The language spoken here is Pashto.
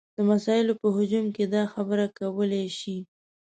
د مسایلو په هجوم کې دا خبره کولی شي.